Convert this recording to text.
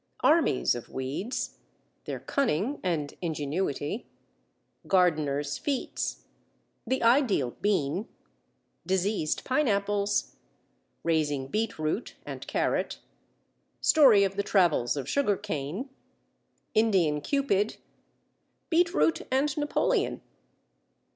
Armies of weeds Their cunning and ingenuity Gardeners' feats The Ideal Bean Diseased pineapples Raising beetroot and carrot Story of the travels of Sugar cane Indian Cupid Beetroot and Napoleon.